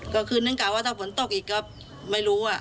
หรือถ้าผลตกอีกก็ไม่รู้